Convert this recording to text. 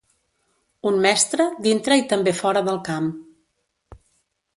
Un mestre dintre i també fora del camp.